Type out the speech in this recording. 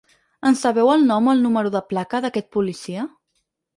En sabeu el nom o el número de placa, d’aquest policia?